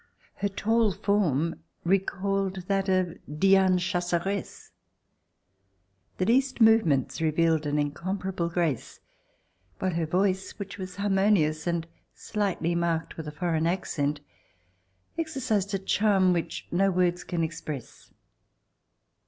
Her tall form recalled that of Diane Chasseresse. The least move ments revealed an incomparable grace, while her voice, which was harmonious and slightly marked with a foreign accent, exercised a charm which no words can express.